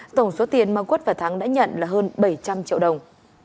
tổng số tiền mà quất và thắng đã nhận là hơn bảy trăm linh triệu đồng